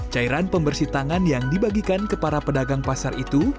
cairan pembersih tangan yang dibagikan ke para pedagang pasar itu